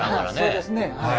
そうですねはい。